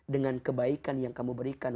dengan kebaikan yang kamu berikan